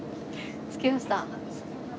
着きました。